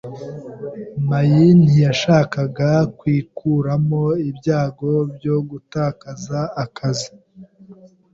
my ntiyashakaga kwikuramo ibyago byo gutakaza akazi.